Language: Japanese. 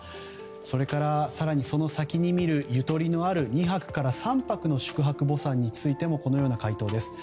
それから更にその先に見るゆとりのある２泊から３泊の宿泊墓参についてもこのような回答です。